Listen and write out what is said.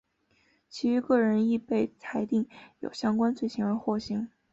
其余各人亦被裁定有相关罪行而获刑。